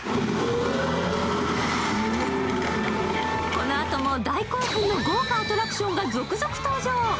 このあとも大興奮の豪華アトラクションが続々登場。